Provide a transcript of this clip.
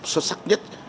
xuất sắc nhất